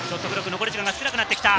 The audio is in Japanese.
残り時間少なくなってきた。